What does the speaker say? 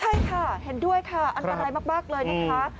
ใช่ค่ะเห็นด้วยค่ะอันตรายมากเลยนะคะ